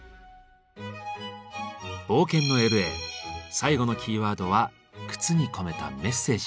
冒険のＬ．Ａ．最後のキーワードは「靴に込めたメッセージ」。